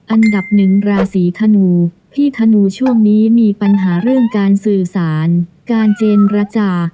อันดับหนึ่งราศีธนูพี่ธนูช่วงนี้มีปัญหาเรื่องการสื่อสารการเจรจา